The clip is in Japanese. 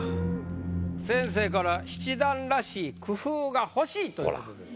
先生から「７段らしい工夫が欲しい！」ということです。